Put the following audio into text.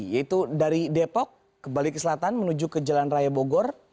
yaitu dari depok kembali ke selatan menuju ke jalan raya bogor